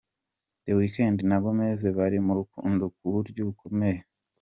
The Weekend na Gomez bari mu rukundo ku buryo bukomeye.